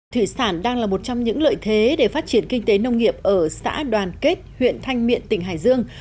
thủy sản đang là một trong những lợi thế để phát triển kinh tế nông nghiệp ở xã đoàn kết huyện thanh miện tỉnh hải dương